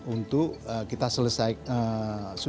untuk kita selesai sudah kita terima